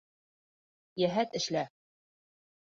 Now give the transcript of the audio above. — Йәһәт эшлә.